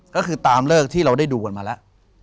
ก็คือตามเลิกที่เราได้ดูกันมาแล้ว